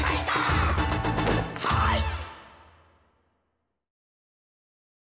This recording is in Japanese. はい！